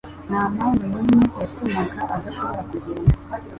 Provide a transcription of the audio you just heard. nta mpamvu n'imwe yatumaga adashobora kugenda.